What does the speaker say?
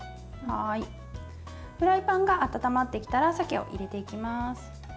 フライパンが温まってきたら鮭を入れていきます。